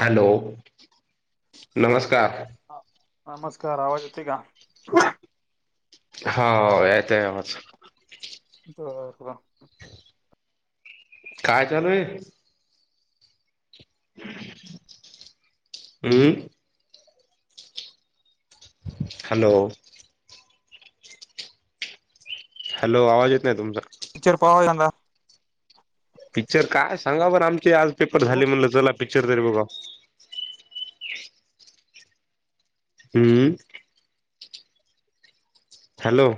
Hello, नमस्कार. नमस्कार, आवाज यते का? ह ययेत आवाज. [unintelligible] काय चालूय? हम् हॅलो हॅलो! आवाज येत नाही तुमचा. पिक्चर [unintelligible] पिक्चर काय, सांगा बरं आमचे आज पेपर हॅलो. झाले म्हटलं चला पिक्चर तरी बघावं. हम्म हॅलो!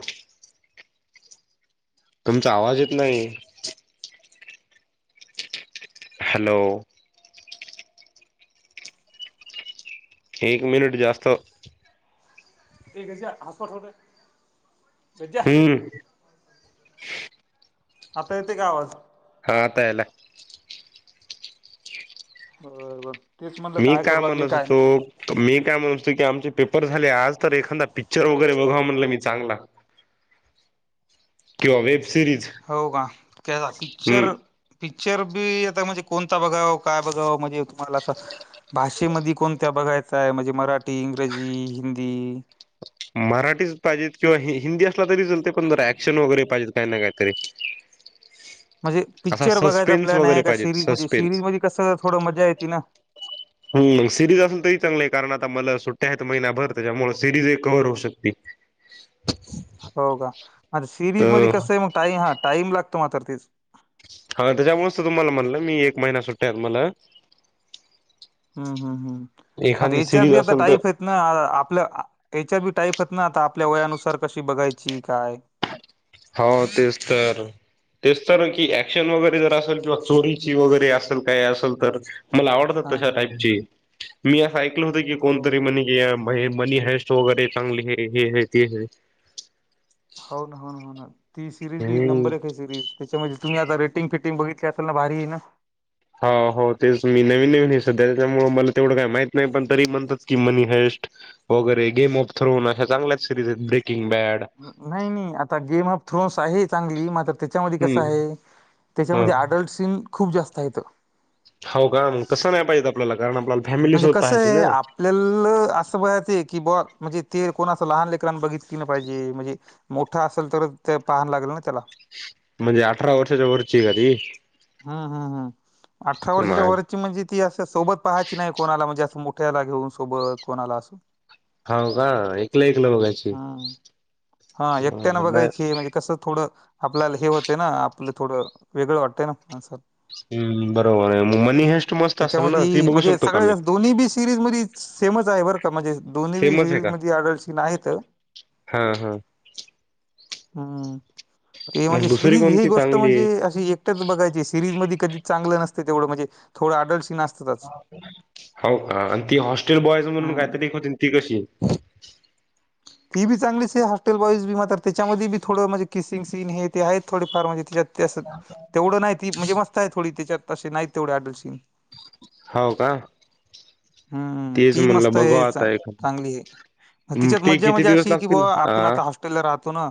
तुमचा आवाज येत नाही. हॅलो! एक मिनिट जास्त ये गजा हॉटस्पॉट सोड रे, गजा हम्म आता येतोय का आवाज? हा आता यायलाय. बर बर, तेच म्हणलं मी काय करू लागले म्हणत काय नाही? होतो मी काय म्हणतो की आमचे पेपर झाले आज, तर एखादा पिक्चर वगैरे बघाव म्हणलं मी चांगला. किंवा वेब सिरीज. हो का, कसा हम्म पिक्चर पिक्चर बी आता म्हणजे कोणता बघाव काय बघावं म्हणजे तुम्हाला असं भाषेमध्ये कोणत्या बघायचा आहे म्हणजे मराठी, इंग्रजी, हिंदी? मराठीच पाहिजेत किंवा ही हिंदी असला तरी चलते पण जरा ऍक्शन वगैरे पाहिजे. काय ना कायतरी. म्हणजे पिक्चर बघायचा प्लान आहे, का सिरीज मध्ये सरीज सस्पेन्स मध्ये कसं थोडं मजा येते ना? ही सिरीज असेल तरी चांगलं आहे, कारण आता मला सुट्ट्या आहेत महिन्याभर त्याच्यामुळे सिरीज ही कव्हर होऊ शकते. [unintelligible] हो का? आता सिरीज मध्ये तर कसं आहे मग टाई हा टाईम लागतो मात्र तेच हा त्याच्यामुळेच तर तुम्हाला म्हणलं मी एक महिना सुट्ट्या आहेत मला. हम्म हम्म हम्म, आता एखादी हेच्यात सिरीज बी आता असेल तर टाईप आहेत. ना आपल्या हेच्यात बी टाईप आहेत ना, आता आपल्या वयानुसार कशी बघायची काय? हो तेच तर. तेच तर, की ऍक्शन वगैरे जर असेल किंवा चोरीची वगैरे असेल काय असेल तर मला हा आवडतात तशा हा टाईपचे, मी असं ऐकलं होत की हा हो कोणतरी का म्हणे की अ बा हे मनी हाईस्ट वगैरे चांगली हे हाय ते हाय. हो ना हो ना हो ना, ती सिरीज बी हम्म. नंबर एक आहे सिरीज. त्याच्यामध्ये तुम्ही आता रेटिंग फिटिंग बघितली असेल ना, भारी आहे ना? हो हो, तेच मी नवीन नवीन आहे सध्या त्याच्यामुळे मला तेवढं काही माहित नाय पण तरी म्हणतात की मनी हाईस्ट वगैरे गेम ऑफ थ्रोन अशा चांगल्याच सिरीज आहेत ब्रेकिंग बॅड. नाही नाही आता गेम ऑफ थ्रोन्स आहे चांगली मात्र त्याच्यामध्ये कसं हम्म आहे, ह त्याच्यामध्ये अडल्ट‌ सिन खूप जास्त हायत. हो का? मग तसं नाही पाहिजे आपल्याला, कारण आपल्याला म्हणजे फॅमिलीसोबत कसं पाहायची आहे ना. आपल्याला असं बघायचं की बवा, म्हणजे ते कोण असं लहान लेकरानं बघितली न पाहिजे, म्हणजे मोठं असेल तरच ते पाह लागल ना त्याला. म्हणजे अठरा वर्षाच्या वरची आहे का ती? हम्म हम्म हम्म, अठरा वर्षाच्या हो वरची म्हणजे ती असं सोबत पहायची नाही, कोणाला म्हणजे असं मोठ्याला घेऊन सोबत कोणाला असं. हा का? एकलं एकलं बघायची. हम्म हा एकट्यानी बघायची, म्हणजे कसं थोडं आपल्याला हे होते ना, आपलं थोडं वेगळं वाटतंय ना माणसात. हम्म बरोबर आहे, मग मनी हॅस्ट मस्त असेल ना ती, त्याच्यामध्ये बघू म्हणजे शकतो का सगळ्या मी? जास्त दोन्ही बी सिरीज मिरीच सेमच आहे बर का म्हणजे, दोन्ही बी सेमच आहे सिरीज का मध्ये अडल्ट सीन आहेत. हा हा हम्म, ते मग म्हणजे दुसरी सिरीज ही कोणती गोष्ट चांगली म्हणजे, अशी एकटच बघाय सीरीज मधी कधी चांगलं नसतं तेवढं म्हणजे, थोडं अडल्ट सीन अस हो का आणि ती हॉस्टेल बॉईज म्हणून हम्म काहीतरी होती ती कशी. ती बी चांगलीच आहे हॉस्टेल बॉईज बिमतेफे त्याच्यामध्ये बी थोडं म्हणजे किसिंग सीन हे ते आहेत थोडेफार म्हणजे त्याच्यात तसेच तेवढं नाय ती म्हणजे मस्त आहे थोडी त्याच्यात ते नाही तेवढे अडसीन होव का. हम्म तेच ती म्हणलं मस्त बघू आहे आता एखादं चांगली आहे मग तिच्यात ते मज्जा किती म्हणजे दिवस अशी की लागतील बोवा आ आपण आता हॉस्टेलला राहतो ना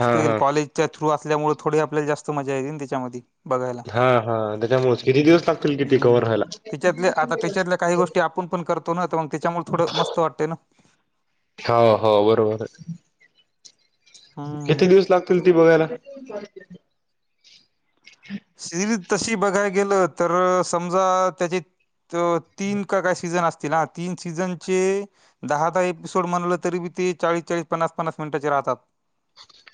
हा हा लेक्चर थ्रू असल्यामुळे थोडी आपल्याला जास्त मजा येते ना तिच्यामध्ये बघायला हा हा त्याच्यामुळेच किती दिवस लागतील कि ते हम कव्हर व्हायला त्याच्यातल्या आता त्याच्यातल्या काही गोष्टी आपण पण कर तणाव ताण त्याच्यामुळे थोड मस्त वाटते ना. हा हो बरोबर हम्म किती दिवस लाग चल ती बघायला. [unintelligible] सिरीज तशी बघायला गेलं तर समजा त्याची तो तीन का काय सीझन असतील हा तीन सीझनचे दहा दहा एपिसोड म्हणलं तरी बी ते चाळी चाळीस पन्ना पननास मिनिटांचे राहतात.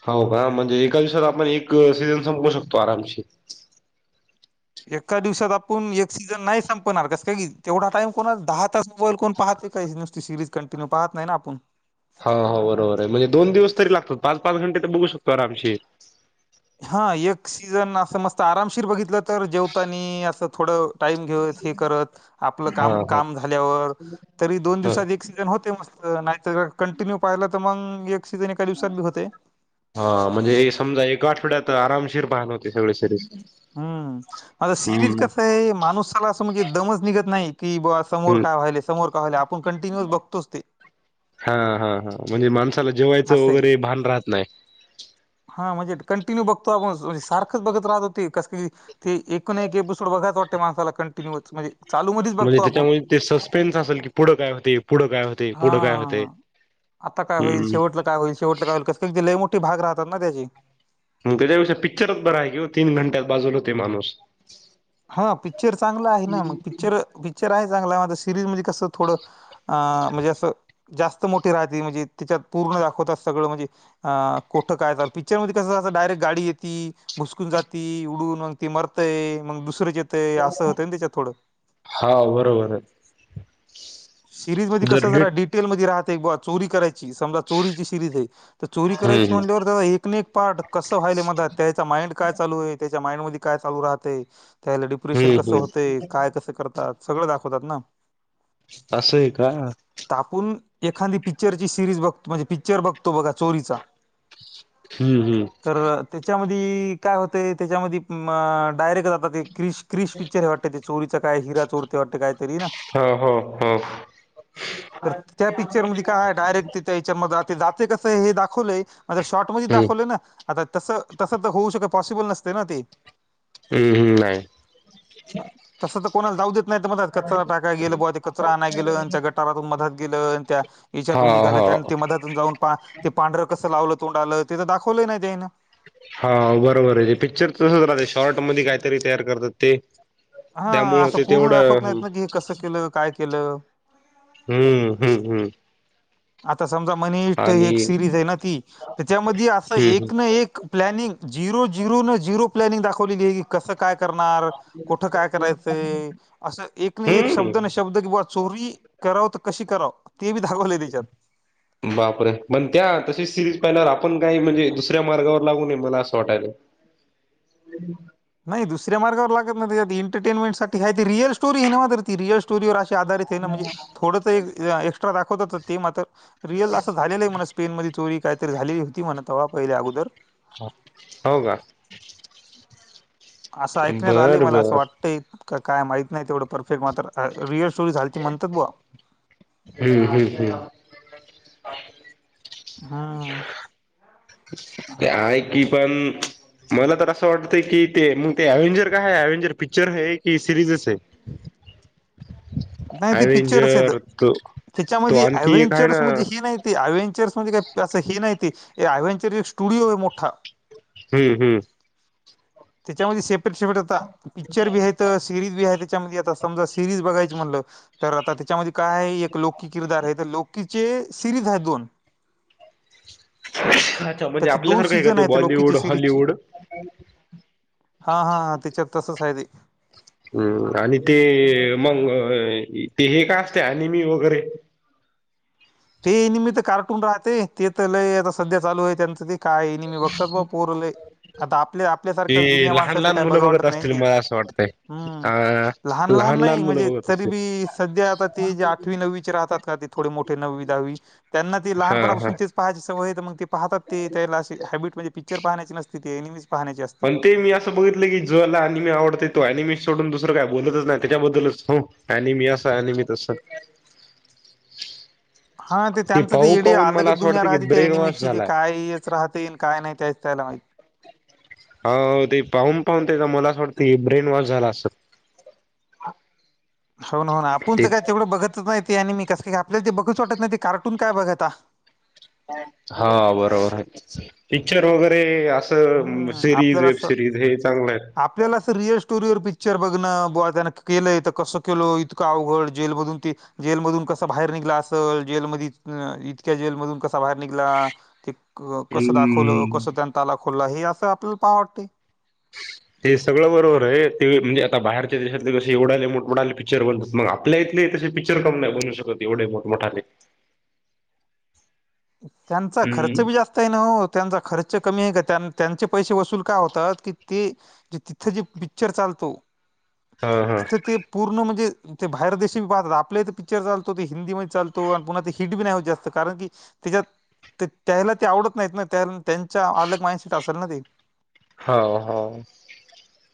हो का म्हणजे एका दिवसात आपण एक सीझन संपवू शकतो आरामशीर. एका दिवसात आपण एक सीझन नाही संपवणार कस की तेवढा टाइम कोण दहा तास मोबाईल कोण पाहते का सिरीज कंटिन्यू पाहत नाही ना आपण. हा हो बरोबर आहे म्हणजे दोन दिवस तरी लागतात पाच पाच घंटे तर बघू शकतो आरामशीर. हा एक सीजन असं मस्त आरामशीर बघितलं तर जेवतानी असं थोडं टाईम घेत हे करत आपलं हा काम हा काम झाल्यावर तरी दोन ह दिवसात एक सीजन होते मस्त नायतर कंटिन्यू पाहिला तर मग एक सीजन एका दिवसात बी होते. हा म्हणजे समजा एक आठवड्यात आरामशीर पाहान होते सगळे सीजन. हम आता सिरीज कस आहे माणुसाला असं म्हणजे दमच निघत नाही कि बा समोर हम्म का व्हाले समोर का व्हाले आपण कंटिन्यु बघतोच ते. हा हा हा म्हणजे माणसाला जेवायचं असं आहे वगैरे भान राहत नाय. हा म्हणजे कंटिन्यू बघतो आपण सारखंच बघत राहत होते कस ते एकूण एक एपिसोड बघायच वाटते माणसाला कंटिन्यु अस म्हणजे चालू मध्येच म्हणजे बघतो आपण त्याच्यामध्ये ते सस्पेन्स असेल की पुढं काय होते पुढं काय होते पुढं काय होते. हा आता काय होईल हम्म शेवटलं काय होईल शेवटलं काय होईल कसं क ते लय मोठी भाग राहतात ना त्याची. मग त्याच्यापेक्षा पिक्चरच बर आहे कि ओ तीन घंट्यात बाजूला होतोय माणूस. हा पिच्चर चांगलं आहे ना, मग पिक्चर, पिक्चर आहे चांगला म सिरीज म्हणजे कसं थोडं. आ म्हणजे असं जास्त मोठी राहते म्हणजे त्याच्यात पूर्ण दाखवतात सगळं म्हणजे. हा कुठं काय पिक्चर मध्ये कसं अस डायरेक्ट गाडी येते. भुसकून जाती उडून मग ती मरतय मग दुसरंच येतय असं होतंय त्याच्यात थोडं हा बरं बरं. सिरीज मध्ये कस जरा डिटेल मध्ये राहते एक बो चोरी कराय समजा चोरीची सिरीज तर चोरी हम्म करायची हम्म म्हणाल्यावर एक न एक प्ट कसं व्हायलय मदात त्याचा माइंड काय चालू आहे त्याच्या माइंड मध्ये काय चालू राहतय. त्यावेला डिप्रेशन हम्म कसं हम्म होतय काय कसं करतात सगळं दाखवतात ना. असंय का. ताकून एखादी पिक्चर ची सिरीज बघतो म्हणजे पिक्चर बघतो बघा चोरीचा. हम्म हम्म. तर त्याच्यामध्ये काय होते त्याच्यामध्ये डायरेक्ट जातात ते क्रिश. क्रिश पिक्चर हे वाटतं ते चोरीचा काय हिरा चोरतय वाटते कायतरी ना. हा हो हो. तर त्या पिक्चर मध्ये काय डायरेक्ट त्या याच्यामध्ये ते जाते कसं आहे हे दाखवलंय. शॉर्ट मध्ये हम्म दाखवले ना आता तस तस तर होऊ शके पॉसिबल नसते ना ते. हम्म हम्म नाही तस तर कोणाला जाऊ देत नाही तर मण कचरा टाका गेलं ब. कचरा आणा गेलं त्या गटारातून मधात गेलं, त्या हा याच्यातून निघालं हा त्या ते मधात. जाऊन पहा ते पांढरं कसं लावलं तोंडालं ते तर दाखवलं नाही त्यां हेन. हा बरोबर आहे ते पिक्चर तसच राहते शॉर्ट मध्ये कायतरी तयार करतात ते. हा त्यामुळं असं ते पूर्ण दाखवत तेवढं नाहीत ना की हे कसं केलं काय केलं. हम्म हम्म हम्म. आता समजा मनि हिष्ट आणि एक सिरीज आहे ना ती त्याच्यामध्ये असं हम्म एक ना एक प्लॅनिंग झिरो झिरो न झिरो प्लॅनिंग दाखवलेली आहे की कसं काय करणार कुठ काय करायचंय अस एक न एक हम्म हम्म शब्द न शब्द शब्द की बॉ चोरी कराव तर कशी कराव ते बी दागवलय त्याच्यात. बापरे पण त्या तशीच सिरीज पाहिल्यावर आपण काही म्हणजे दुसऱ्या मार्गावर लागू नये मला असं वाटायल. [unintelligible] नाही दुसऱ्या मार्गावर लागत नाही तच्यात एंटरटेनमेंटसाठी हाय ते रिअल स्टोरी हे नव ती रिअल स्टोरीवर अशी आधारित ते ना म्हणजे थोडं तर एक एक्स्ट्रा दाखवतात ते मात्र रिअल असं झालेलं आहे म्हणा स्पेन मध्ये चोरी काहीतरी झालेली होती म्हना तवा पहिले अगोदर हा हो का. असं ऐकण्यात आले बर मला असं बर वाट ट येत काय माहीत नाही तेवढं परफेक्ट मात्र रिअल स्टोरी झालती म्हणतात बॉ. हम्म हम्म हम्म. हम्म. ते आहे की पण मला तर असं वाटतंय की ते मग ते अव्हेंजर काय आहे अव्हेंजर पिक्चर आहे की सिरीजच आहे. [inaudible] नाही ते पिक्चरच आहेत अव्हेंजर तो तो तेच्यामध्ये आणखी एक आहे ना अवेंचर्स मधी ही हम्म नाहीत ते अव्हेंनचर म्हणजे काही असं हे नाही ते अव्हेंचर एक स्टुडिओ आहे मोठा. हम्म हम्म. त्याच्यामध्ये सेपरेट सेपरेट आता पिक्चर बी आहेत. सिरीज बी आहे त्याच्यामध्ये आता समजा सिरीज बघायची म्हणलं तर आता त्याच्यामध्यी काय एक लोककी किरदार आहे तर लोकीचे सिरीज आहेत दोन अच्छा म्हणजे त्याचे दोन आपल्यासारखं आहे का सीझन ते आहेत लोकीची बॉलिवूड सिरीजची. हॉलिवूड? हा हा हा त्याच्यात तसच आहे ते. हम्म आणि ते मग ते हे का असते ॲनिमी वगैरे? ते निमित्त कार्टून राहते ते तर लय आता सध्या चालू आहे त्यांचं ते काय ॲनिमी बघतात बॉ पोर लय. आता आपल्या ते आपल्यासारख्या जुन्या लहान माणसाल लहान काय मुलं बघा बघत वाटत नाही न असतील ती मला असं वाटतंय. हम्म. अ लहान लहान नाही मुलं म्हणजे बघत तरी असतील बी सध्या आता ते जे आठवी नववीचे राहतात का ते थोडे मोठे नववी दहावी त्यांना ते हा हा. लहानपणापासून तेच पाहायचे सवय मग ते पाहतात ते त्याला अशी हॅबिट म्हणजे पिक्चर पाहण्याची नस तिने ॲनिमीच पाहण्याची अस पण ते मी अस बघितलं की ज ला ॲनिमी आवडतेय तो ॲनिमी सोडून दुसरं काय बोलतच नाही त्याच्याबद्दलच हो. ॲनिमी अस ॲनिमी तस. हा ते त्यांचं ते येडे अलगच दुनिया वाटतं की राहते त्या ब्रेन वॉश ॲनिमीची ते झालाय. काय च राहते न काय नाही त्याच त्याला माहित. हो ते पाहून पाहून ते तर मला असं वाटतं ब्रेन वॉश झाला असंल. [unintelligible] हो ना हो ना आपणच ते काय तेवढं बघतच नाही ते ॲनिमी कसं काय आपल्याला ते बघूच वाटत नाही ते कार्टून काय बघता. हा बरोबर आहे पिक्चर वगैरे अस तर हं, सिरीज आपल्याला असं वेबसिरीज हे चांगलं आहे. आपल्याला असं रिअल स्टोरीवर पिक्चर बघणं बुवा त्यानं केलं आहे तर कसं केल इतकं अवघड जेलमधून ते जेलमधून कसं बाहेर निघला असल जेलमधी इतक्या जेलमधून कसा बाहेर निघला. ते क कसं दाखवलं हम्म कसं त्यांन ताला खोलला हे असं आपल्याला पहा वाटतंय. ते सगळं बरोबर आहे ते म्हणजे आता बाहेरच्या देशातले कसे एवढाले मोठमोठाले पिक्चर बनतात मग आप आपल्या इथले तसे पिक्चर कम नाही बजू शकत एवढे मोठमोठाने त्यांचा खर्च बी जास्त ना हो त्यांचा खर्च कमी आहे का त्यांचे पैसे वसूल का होतात की ते तिथे जे पिक्चर चालतो हा तिथ ते पूर्ण म्हणजे ते बाहेर देशशी बी पाहतात आपल्याले तर पिक्चर चालतो ते हिंदी म चालतो आणि पुन्हा ते हटी नाही होत जास्त कारण की त्याच्यात त्याला ते आवडत नाहीत ना त्या त्यांच्या अलग माइंडसेट असेल ना ते हो हो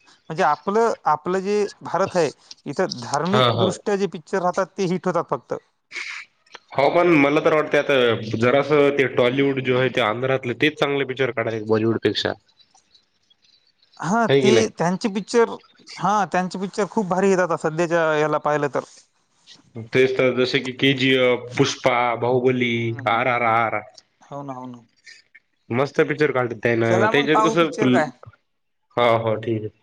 म्हणजे आपलं आपलं जे भारत आहे इथं हा धार्मिक हा दृष्ट्या ज जे राहतात ते हिट होतात फक्त हो पण मला तर वाटते आता जरासं ते टॉलिवूड जो आहे ते आंध्रातलं तेच चांगले पिक्चर काढा बॉलिवूड पेक्षा हा ते त्यांचे पिक्चर हा त्यांचे पिक्चर खूप भारी येतात त्याच्या ह्याला पाहिलं तर तेच तर जसे की केजीएफ पुष्पा बाहुबली आर आर आर होन ना मस्त पिक्चर काढतात त्या ना चला मग त्याच्यात पाहू कसं पिक्चर काय हो हो ठीक आहे